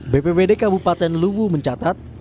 bpbd kabupaten luwu mencatat